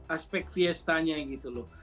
aspek fiestanya gitu loh